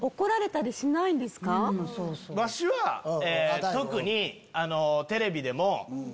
わしは特にテレビでも。